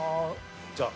じゃあ。